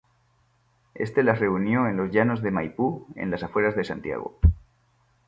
Este las reunió en los llanos de Maipú, en las afueras de Santiago.